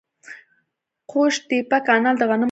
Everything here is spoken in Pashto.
قوش تیپه کانال د غنمو لپاره دی.